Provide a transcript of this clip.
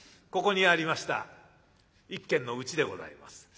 ここにありました一軒のうちでございます。